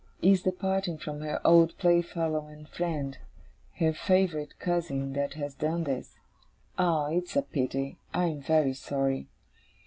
It's the parting from her old playfellow and friend her favourite cousin that has done this. Ah! It's a pity! I am very sorry!